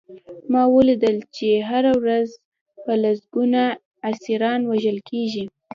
ما ولیدل چې هره ورځ به لسګونه اسیران وژل کېدل